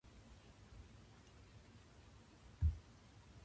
犬が庭を走っている。